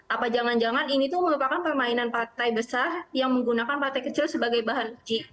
apa jangan jangan ini tuh merupakan permainan partai besar yang menggunakan partai kecil sebagai bahan uji